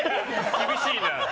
厳しいな。